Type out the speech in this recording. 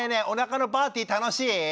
おなかのパーティ楽しい？